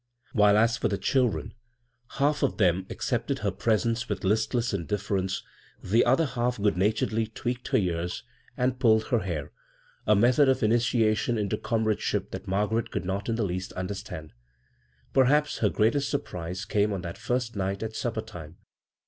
While as for the children — half of them accepted her presence with listless indifference ; the other half good naturedly tweaked her ears and pulled her b, Google CROSS CURRENTS liair — a method of initiation into comrade ship that Margaret could not in the least un leistand. Perhaps her greatest surprise ame on that hrst night at supper time.